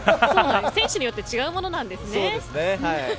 選手によって違うものなんですね。